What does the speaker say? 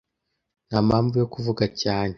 Nta mpamvu yo kuvuga cyane.